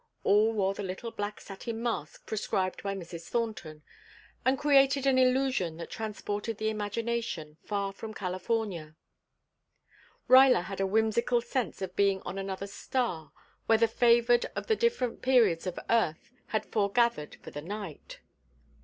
All wore the little black satin mask prescribed by Mrs. Thornton, and created an illusion that transported the imagination far from California. Ruyler had a whimsical sense of being on another star where the favored of the different periods of Earth had foregathered for the night.